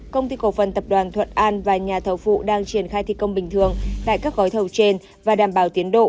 công ty cổ phần tập đoàn thuận an và nhà thầu phụ đang triển khai thi công bình thường tại các gói thầu trên và đảm bảo tiến độ